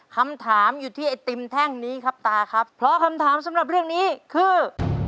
คำถามอยู่ที่ไอติมแท่งนี้ครับตาครับเพราะคำถามสำหรับเรื่องนี้คือ